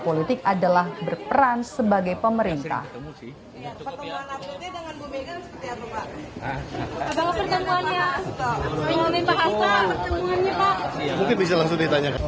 politik adalah berperan sebagai pemerintah ketemu dengan gue dengan seperti apa pak